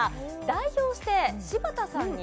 代表して柴田さんに